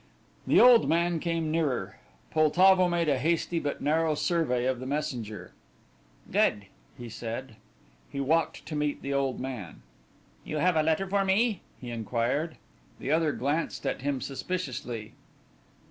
The old man came nearer. Poltavo made a hasty but narrow survey of the messenger. "Good," he said. He walked to meet the old man. "You have a letter for me?" he inquired. The other glanced at him suspiciously.